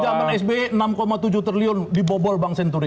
dulu zaman sby enam tujuh triliun dibobol bank senturi